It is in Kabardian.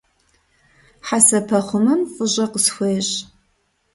Хьэсэпэхъумэм фӏыщӏэ къысхуещӏ.